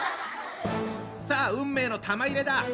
さあ運命の玉入れだ！